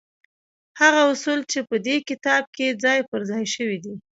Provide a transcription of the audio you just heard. هغه اصول چې په دې کتاب کې ځای پر ځای شوي دي.